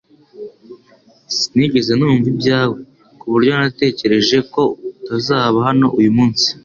Sinigeze numva ibyawe, ku buryo natekereje ko utazaba hano uyu munsi